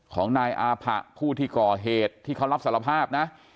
ของนายอาผะผู้ที่ก่อเหตุที่เขารับสารภาพนะ